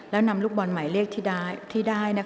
แล้วนำลูกบอลหมายเลขที่ได้